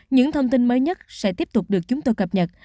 những thông tin mới nhất sẽ tiếp tục được chúng tôi cập nhật